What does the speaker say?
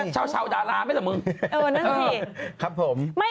เช้าดาราไว้เหรอมึง